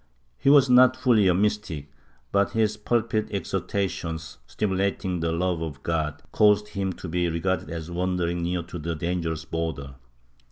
He was not fully a mystic, but his pulpit exhortations, stimulating the love of God, caused him to be regarded as wandering near to the dangerous border.